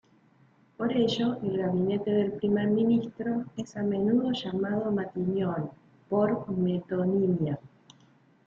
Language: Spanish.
Por ello, el gabinete del primer ministro es a menudo llamado Matignon, por metonimia.